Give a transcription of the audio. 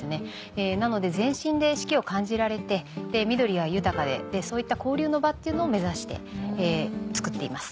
なので全身で四季を感じられて緑は豊かでそういった交流の場っていうのを目指してつくっています。